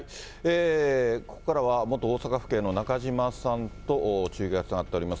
ここからは、元大阪府警の中島さんと中継がつながっております。